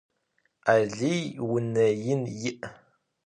Alıy vune yin yi'.